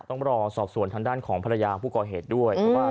ต้องรอสอบส่วนทางด้านของภรรยาผู้ก่อเหตุด้วยเพราะว่า